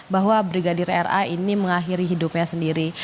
bahwa brigadir ra ini mengakhiri hidupnya sendiri